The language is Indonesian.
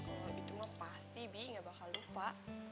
oh itu mah pasti bi gak bakal lupa